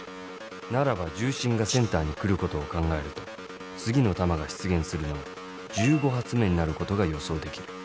ならば重心がセンターに来ることを考えると次の弾が出現するのが１５発目になることが予想できる。